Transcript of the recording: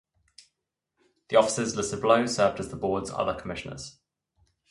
The officers listed below served as the board's other commissioners.